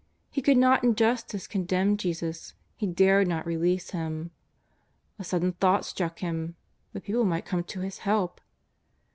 He could not in justice condemn Jesus; he dared not release Him. A sudden thought struck him : the people might come to his help.